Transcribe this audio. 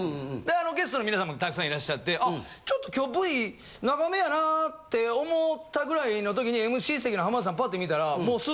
ゲストの皆さんもたくさんいらっしゃってあちょっと今日Ｖ長めやなって思ったぐらいの時にＭＣ席の浜田さんパッて見たら。